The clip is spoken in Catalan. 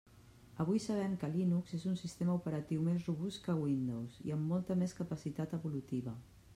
Avui sabem que Linux és un sistema operatiu més robust que Windows i amb molta més capacitat evolutiva.